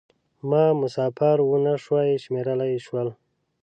ما مسافر و نه شوای شمېرلای شول.